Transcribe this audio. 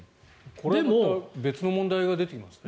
また別の問題が出てきますね。